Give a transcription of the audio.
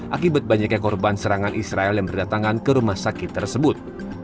akibat banyaknya korban serangan israel yang berdatangan ke rumah sakit tersebut